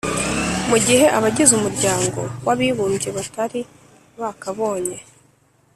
mu gihe abagize umuryango w'abibumbye batari bakabonye